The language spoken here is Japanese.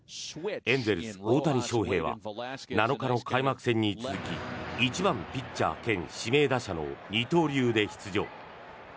エンゼルス、大谷翔平は７日の開幕戦に続き１番ピッチャー兼指名打者の二刀流で出場。